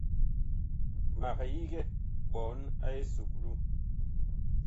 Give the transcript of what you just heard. Mag yigɛ ɓɔɔn a esukulu.